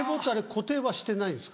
固定してないです。